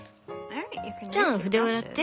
じゃあ筆を洗って。